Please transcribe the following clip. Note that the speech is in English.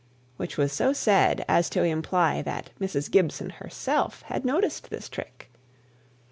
which was so said as to imply that Mrs. Gibson herself had noticed this trick.